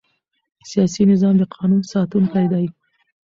سیاسي نظام د قانون ساتونکی دی